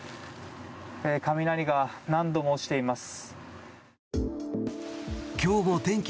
雷が何度も落ちています。